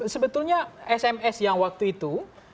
sebetulnya sms yang waktu itu